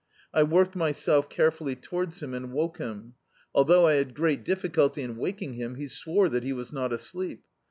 I worked myself carefully to wards him and woke him. Although I had great dif ficulty in waking him, he swore that he was not asleep.